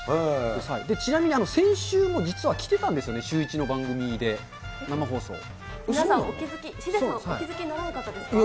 ちなみに先週も実は着てたんですよね、シューイチの番組で、皆さん、お気付きに、気付かなかった。